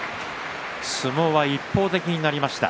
相撲は一方的になりました。